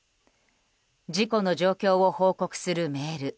事故の状況を報告するメール